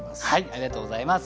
ありがとうございます。